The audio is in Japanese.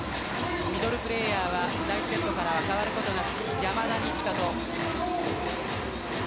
ミドルプレーヤーは第１セットとから変わることなく山田二千華です。